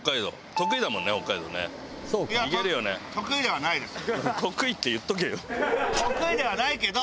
得意ではないけど。